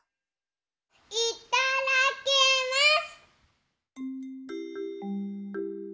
いただきます！